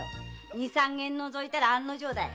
二三軒のぞいたら案の定だ。